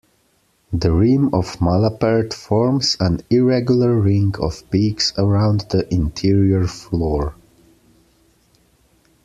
The rim of Malapert forms an irregular ring of peaks around the interior floor.